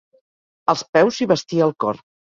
Als peus s'hi bastí el cor.